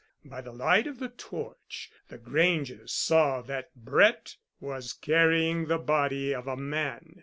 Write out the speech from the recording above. By the light of the torch the Granges saw that Brett was carrying the body of a man.